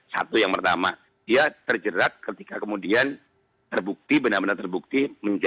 satu yang pertama dia terjerat ketika kemudian terbukti benar benar terbukti